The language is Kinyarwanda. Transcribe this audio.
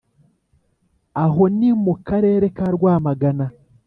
Aho ni mu Karere ka Rwamagana